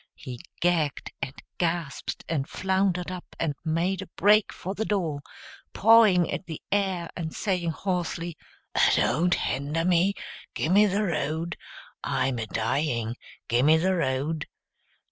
He gagged and gasped, and floundered up and made a break for the door, pawing the air and saying hoarsely, "Don't hender me! gimme the road! I'm a dying; gimme the road!"